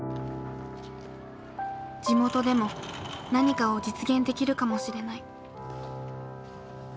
地元でも何かを実現できるかもしれない。